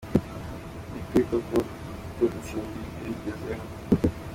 Ni ukuri koko kuko intsinzi yayigezeho.